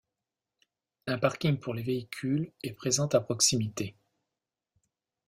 Un parking pour les véhicules est présent à proximité.